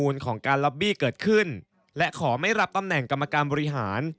ของการล็อบบี้เกิดขึ้นและขอไม่รับตำแหน่งกรรมการบริหาร